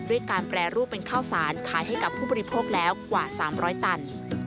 การแปรรูปเป็นข้าวสารขายให้กับผู้บริโภคแล้วกว่า๓๐๐ตัน